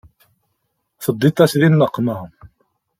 Teddiḍ-as di nneqma.